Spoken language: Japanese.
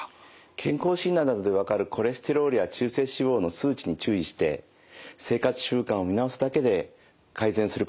健康診断などで分かるコレステロールや中性脂肪の数値に注意して生活習慣を見直すだけで改善することが多いですね。